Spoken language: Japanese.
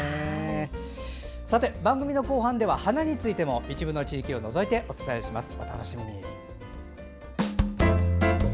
番組の後半では花についても一部の地域を除いてお伝えします。